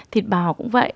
thịt bò cũng vậy